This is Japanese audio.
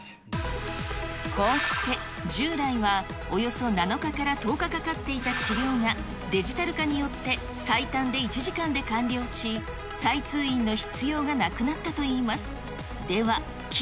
こうして従来はおよそ７日から１０日かかっていた治療が、デジタル化によって最短で１時間で完了し、再通院の必要がなくなったといいます。